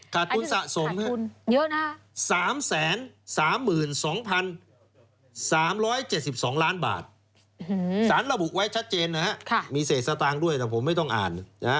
ค่าทุนสะสม๓๓๒๓๗๒ล้านบาทสารระบุไว้ชัดเจนนะครับมีเศษตรังด้วยแต่ผมไม่ต้องอ่าน